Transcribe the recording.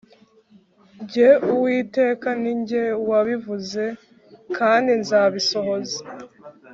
Jye Uwiteka ni jye wabivuze kandi nzabisohoza